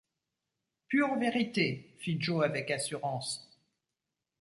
Pure vérité, fit Joe avec assurance.